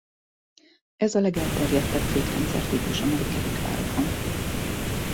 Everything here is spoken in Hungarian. Ez a legelterjedtebb fékrendszer típus a mai kerékpárokon.